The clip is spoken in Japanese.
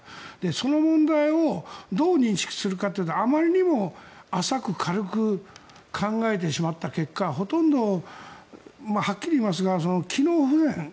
その問題をどう認識するかというとあまりにも浅く、軽く考えてしまった結果ほとんどはっきり言いますが機能不全。